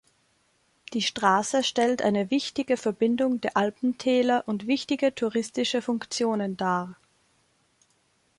Die Straße stellt eine wichtige Verbindung der Alpentäler und wichtige touristische Funktionen dar.